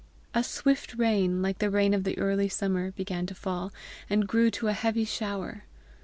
A swift rain, like a rain of the early summer, began to fall, and grew to a heavy shower.